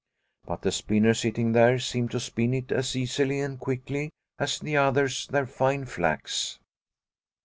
But the spinner sitting there seemed to spin it as easily and quickly as the others their fine flax.